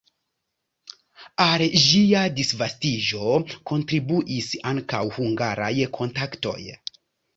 Al ĝia disvastiĝo kontribuis ankaŭ hungaraj kontaktoj.